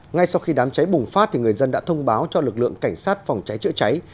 ngay sau khi đám cháy bùng phát người dân đã thông báo cho lực lượng cảnh sát phòng cháy chữa cháy